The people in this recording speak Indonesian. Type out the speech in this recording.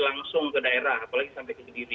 langsung ke daerah apalagi sampai ke sendiri